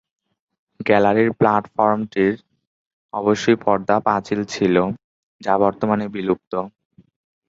গ্যালারির প্লাটফরমটির অবশ্যই পর্দা-পাঁচিল ছিল, যা বর্তমানে বিলুপ্ত।